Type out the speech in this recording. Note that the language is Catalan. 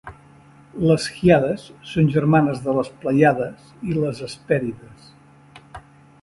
Les Hyades són germanes de les Pleiades i les Hesperides.